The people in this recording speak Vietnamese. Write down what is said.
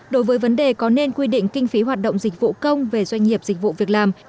đối với vấn đề có nên quy định kinh phí hoạt động dịch vụ công về doanh nghiệp dịch vụ việc làm